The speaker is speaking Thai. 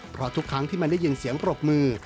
เพราะทุกครั้งที่มันได้ยินเสียงปรบมือ